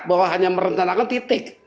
bahwa hanya merencanakan titik